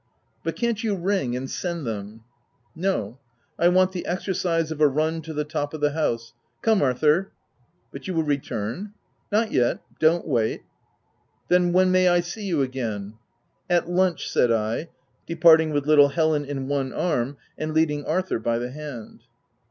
'*" But can't you ring, and send them ??" No ; I want the exercise of a run to the top of the house — Come Arthur/' " But you will return ?"" Not yet ; don't wait." " Then, when may I see you again ?"" At lunch," said I, departing with little Helen in one arm, and leading Arthur by the hand.